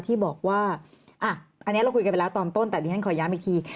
ที่บอกว่าอันนี้เราคุยกันไปแล้วตอนต้นแต่ดิฉันขอย้ำอีกที